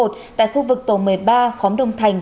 tại khu vực tổ một mươi ba khóm đông thành